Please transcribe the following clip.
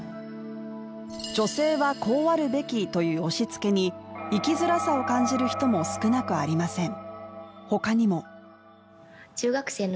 女性はこうあるべきという押しつけに生きづらさを感じる人も少なくありません。